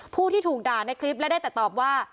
ผู้ที่ถูกด่าในคลิปและได้แต่ตอบว่า